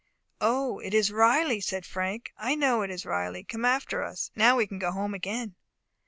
"O, it is Riley!" said Frank. "I know it is Riley come after us. Now we can go home again."